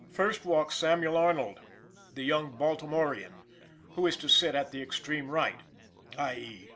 First walks Samuel Arnold, the young Baltimorean, who is to sit at the extreme right (_i. e.